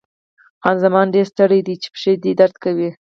خان زمان: ډېر ستړی یې، چې پښې دې درد کوي؟